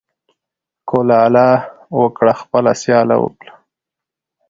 ـ کولاله وکړه خپله سياله وکړه.